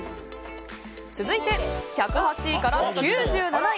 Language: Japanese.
続いて１０８位から９７位。